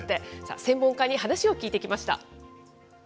専門家に話を聞いてきました。